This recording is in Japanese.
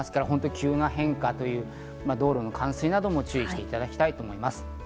急な変化、道路の冠水などにも注意していただきたいと思います。